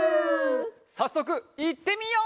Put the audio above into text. さっそくいってみよう！